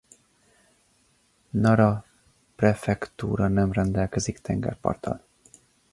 Nara prefektúra nem rendelkezik tengerparttal.